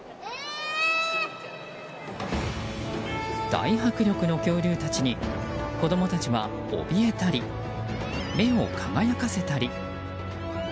大迫力の恐竜たちに子供たちは、怯えたり目を輝かせたり。